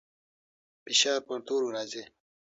فشار پر تورو راځي.